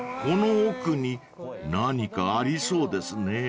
［この奥に何かありそうですね］